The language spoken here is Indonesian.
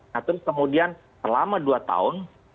nah terus kemudian selama dua tahun